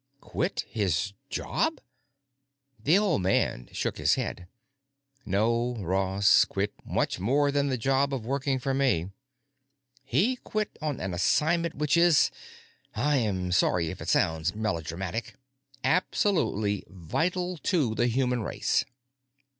"Quit his job?" The old man shook his head. "No, Ross. Quit much more than the job of working for me. He quit on an assignment which is—I am sorry if it sounds melodramatic—absolutely vital to the human race."